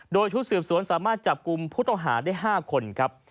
โดยชุดเสืบสวนสามารถจับกลุ่มพุทธภาคได้๕คนครับ